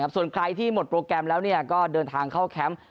ส่วนใครที่หมดโปรแกรมแล้วก็เดินทางเข้าแคมป์